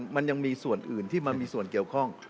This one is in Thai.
มันยังมีส่วนอื่นที่มันมีส่วนเกี่ยวข้อง